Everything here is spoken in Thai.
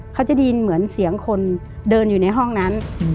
เขาจะได้ยินเหมือนเสียงคนเดินอยู่ในห้องนั้น